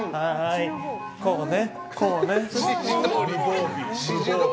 こうね。